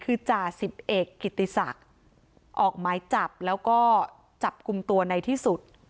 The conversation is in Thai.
คือจ่าสิบเอกกิติศักดิ์ออกหมายจับแล้วก็จับกลุ่มตัวในที่สุด